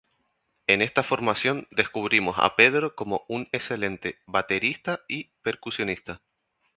En esta formación, descubrimos a Pedro como un excelente baterista y percusionista.